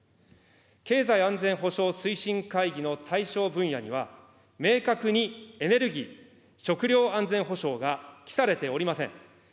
経済安全保障推進会議の対象分野には、明確にエネルギー・食料安全保障が記されておりません。